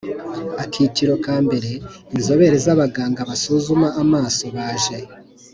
Akiciro ka mbere Inzobere z abaganga basuzuma amaso baje